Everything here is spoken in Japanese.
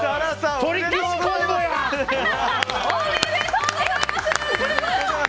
おめでとうございます。